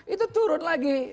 itu turun lagi